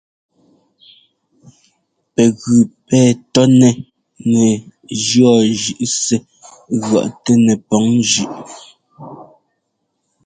Pɛgʉ pɛ tɔ́nɛ nɛ jʉɔ́ zʉꞌ sɛ́ ŋgʉ̈ɔꞌtɛ nɛpɔŋ zʉꞌ.